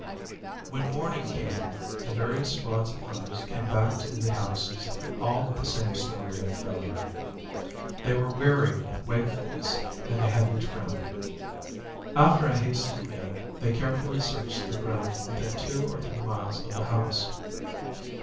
When morning came, the various squads of hunters came back to the houses all with the same story of failure. They were weary with wakefulness and the heavy tramp. After a hasty meal they carefully searched the ground within two or three miles of the house.